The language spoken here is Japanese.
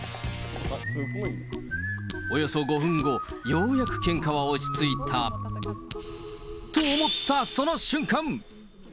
およそ５分後、ようやくけんかは落ち着いた。と思ったその瞬間。